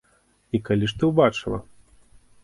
І калі ж ты ўбачыла?